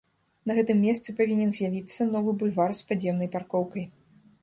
На гэтым месцы павінен з'явіцца новы бульвар з падземнай паркоўкай.